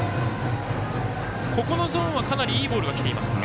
ここのゾーンはかなりいいボールがきていますか。